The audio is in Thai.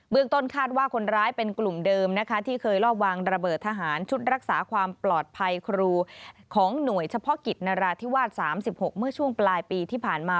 ต้นคาดว่าคนร้ายเป็นกลุ่มเดิมนะคะที่เคยรอบวางระเบิดทหารชุดรักษาความปลอดภัยครูของหน่วยเฉพาะกิจนราธิวาส๓๖เมื่อช่วงปลายปีที่ผ่านมา